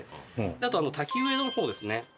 あと滝上の方ですね。